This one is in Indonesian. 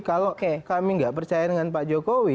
kalau kami nggak percaya dengan pak jokowi